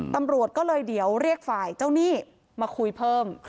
ตำรวจก็เลยเดี๋ยวเรียกฝ่ายเจ้าหนี้มาคุยเพิ่ม